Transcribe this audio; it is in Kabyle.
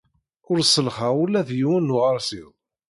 Ur sellxeɣ ula d yiwen n uɣersiw.